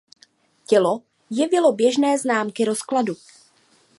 Tělo jevilo běžné známky rozkladu.